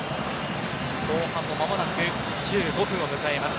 後半もまもなく１５分を迎えます。